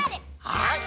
はい！